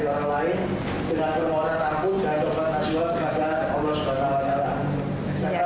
dengan permohonan aku dan doktor nasional semoga allah subhanahu wa ta'ala